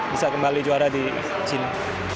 bisa kembali juara di sini